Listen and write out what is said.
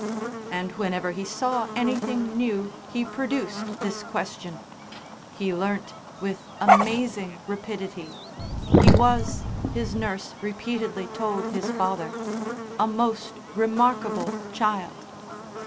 And whenever he saw anything new he produced his question. He learnt with amazing rapidity. He was, his nurse repeatedly told his father, "a most remarkable child."